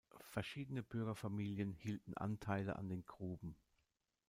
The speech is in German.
Verschiedene Bürgerfamilien hielten Anteile an den Gruben.